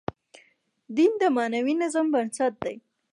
دین د معنوي نظم بنسټ دی.